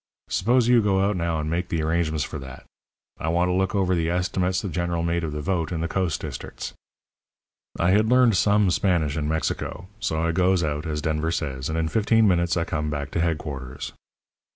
Suppose you go out now, and make the arrangements for that. I want to look over the estimates the General made of the vote in the coast districts.' "I had learned some Spanish in Mexico, so I goes out, as Denver says, and in fifteen minutes I come back to headquarters.